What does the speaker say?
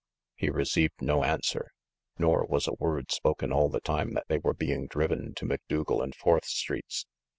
He received no answer ; nor was a word spoken all the time that they were being driven to Macdougal and Fourth Streets.